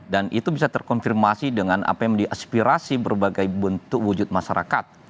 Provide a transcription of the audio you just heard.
dan itu bisa terkonfirmasi dengan apa yang diaspirasi berbagai bentuk wujud masyarakat